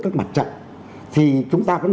các mặt trận thì chúng ta vẫn